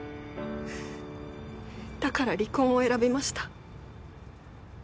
だから離婚を選びました。